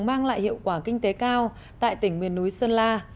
mang lại hiệu quả kinh tế cao tại tỉnh miền núi sơn la